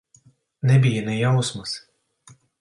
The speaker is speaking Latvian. Nebija ne jausmas.